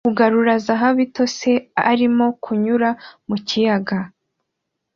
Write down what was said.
kugarura zahabu itose arimo kunyura mu kiyaga